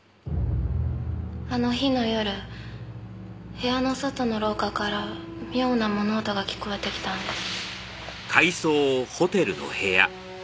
あの日の夜部屋の外の廊下から妙な物音が聞こえてきたんです。